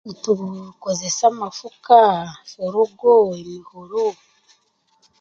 Nitukozesa amafuka, eforoga, emihoro,